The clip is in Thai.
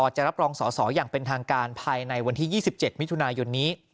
จะรับรองสอสออย่างเป็นทางการภายในวันที่๒๗มิถุนายนนี้